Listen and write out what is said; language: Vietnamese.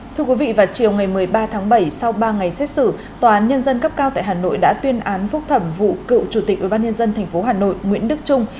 thưa quý vị vào chiều ngày một mươi ba tháng bảy sau ba ngày xét xử tòa án nhân dân cấp cao tại hà nội đã tuyên án phúc thẩm vụ cựu chủ tịch ubnd tp hà nội nguyễn đức trung